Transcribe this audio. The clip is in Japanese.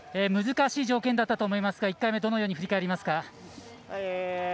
難しい条件だったと思いますが１回目どのように振り返りますか。